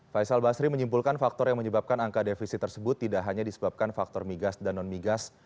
faisal basri menyimpulkan faktor yang menyebabkan angka defisit tersebut tidak hanya disebabkan faktor migas dan non migas